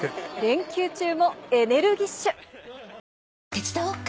手伝おっか？